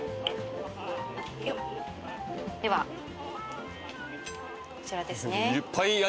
ではこちらですね。